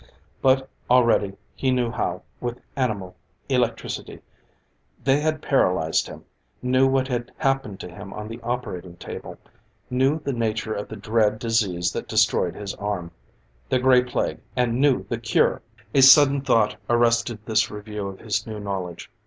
But already, he knew how, with animal electricity, they had paralyzed him; knew what had happened to him on the operating table; knew the nature of the dread disease that destroyed his arm; the Gray Plague and knew the cure! A sudden thought arrested this review of his new knowledge.